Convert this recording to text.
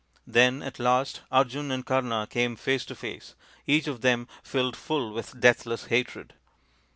Then, at last, Arjun and Kama came face to face, each of them filled full with deathless hatred.